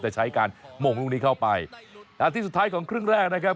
จะใช้การหม่งลูกนี้เข้าไปนาทีสุดท้ายของครึ่งแรกนะครับ